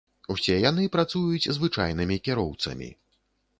Усе яны працуюць звычайнымі кіроўцамі.